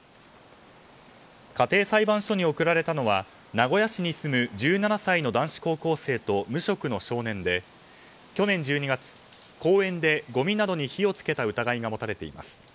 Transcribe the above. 家庭裁判所に送られたのは名古屋市に住む１７歳の男子高校生と無職の少年で去年１２月公園でごみなどに火を付けた疑いが持たれています。